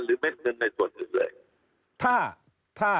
เม็ดเงินในส่วนอื่นเลย